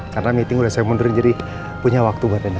karena meeting udah saya mundurin jadi punya waktu buat reina